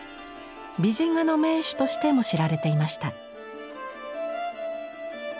美人画の名手としても知られていました。